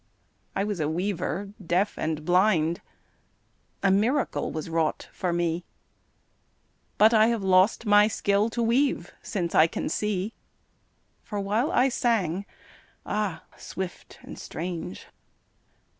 I was a weaver deaf and blind; A miracle was wrought for me, But I have lost my skill to weave Since I can see. For while I sang ah swift and strange!